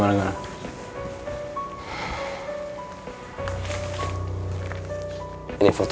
mas aku mau ke rumah